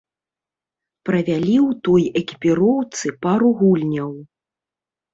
Правялі ў той экіпіроўцы пару гульняў.